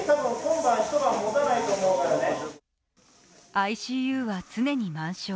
ＩＣＵは常に満床。